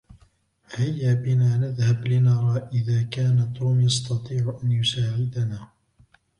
هيا بنا نذهب لنرى إذا كان توم يستطيع أن يساعدنا.